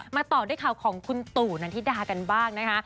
ต่อด้วยข่าวของคุณตู่นันทิดากันบ้างนะคะ